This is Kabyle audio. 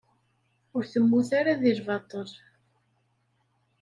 Ur temmut ara deg lbaṭel.